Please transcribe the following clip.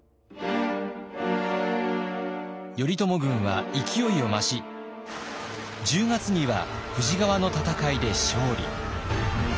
頼朝軍は勢いを増し１０月には富士川の戦いで勝利。